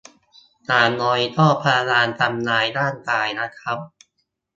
อย่างน้อยก็พยายามทำร้ายร่างกายนะครับ